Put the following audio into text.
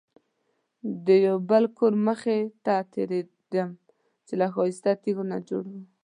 د یو بل کور مخې ته تېرېدم چې له ښایسته تیږو نه جوړ و.